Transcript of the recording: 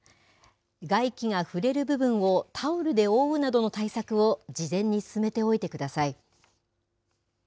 外気が触れる部分をタオルで覆うなどの対策を事前に進めておいてください。